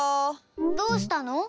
どうしたの？